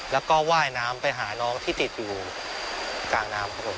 แล้วก็ไหว้น้ำไปหาน้องที่ติดอยู่กลางน้ำข้างบน